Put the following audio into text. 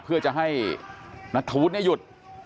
เพื่อจะให้นัฐวุธนี้หยุด